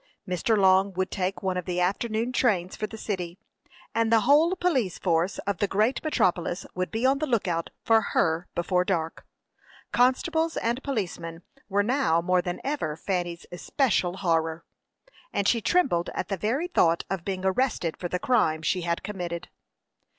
Mr. Long would take one of the afternoon trains for the city, and the whole police force of the great metropolis would be on the lookout for her before dark. Constables and policemen were now more than ever Fanny's especial horror, and she trembled at the very thought of being arrested for the crime she had committed.